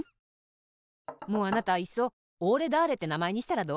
もうあなたいっそおーれだーれってなまえにしたらどう？